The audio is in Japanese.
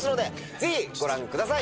ぜひご覧ください。